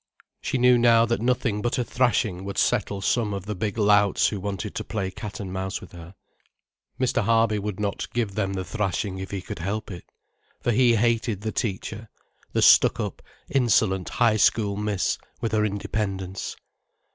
She knew now that nothing but a thrashing would settle some of the big louts who wanted to play cat and mouse with her. Mr. Harby would not give them the thrashing if he could help it. For he hated the teacher, the stuck up, insolent high school miss with her independence.